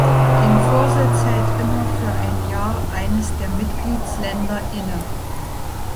Den Vorsitz hält immer für ein Jahr eines der Mitgliedsländer inne.